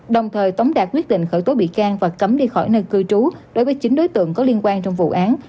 đồng thời tống đạt quyết định khởi tố bị can và cấm đi khỏi nơi cư trú đối với chín đối tượng có liên quan trong vụ án